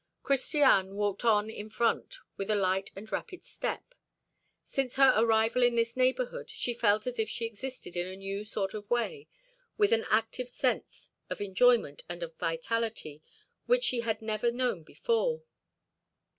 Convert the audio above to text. Christiane walked on in front with a light and rapid step. Since her arrival in this neighborhood, she felt as if she existed in a new sort of way, with an active sense of enjoyment and of vitality which she had never known before.